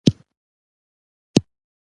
چې د نورو په بې تفاوتۍ سره متأثره نه شي.